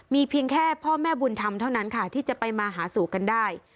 มีเพียงแค่พ่อแม่บุญธรรมเท่านั้นค่ะที่จะไปมาหาสู่กันได้